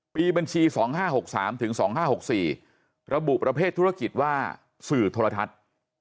บัญชี๒๕๖๓ถึง๒๕๖๔ระบุประเภทธุรกิจว่าสื่อโทรทัศน์